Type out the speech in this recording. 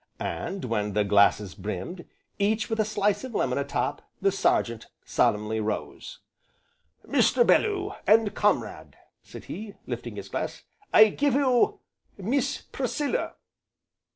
And, when the glasses brimmed, each with a slice of lemon a top, the Sergeant solemnly rose. "Mr. Bellew, and comrade," said he, lifting his glass, "I give you Miss Priscilla!"